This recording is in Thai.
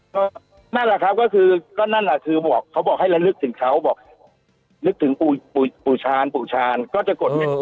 ก็นั่นแหละครับก็คือก็นั่นแหละคือบอกเขาบอกให้ระลึกถึงเขาบอกนึกถึงปู่ชาญปู่ชาญก็จะกดให้